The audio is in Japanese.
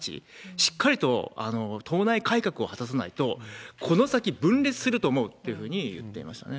しっかりと党内改革を果たさないと、この先分裂すると思うっていうふうに言っていましたね。